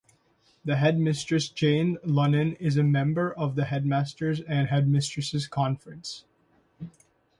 The headmistress, Jane Lunnon, is a member of the Headmasters' and Headmistresses' Conference.